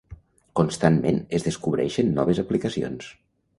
Constantment es descobreixen noves aplicacions.